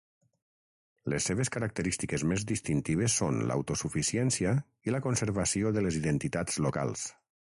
Les seves característiques més distintives són l'autosuficiència i la conservació de les identitats locals.